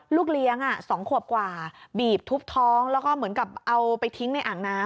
ลูกเลี้ยง๒ขวบกว่าบีบทุบท้องแล้วก็เหมือนกับเอาไปทิ้งในอ่างน้ำ